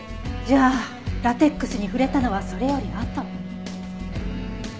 じゃあラテックスに触れたのはそれよりあと。